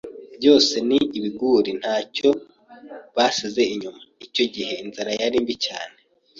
byose n’ibiguri ntacyo basize inyuma, icyo gihe inzara yari mbi cyane.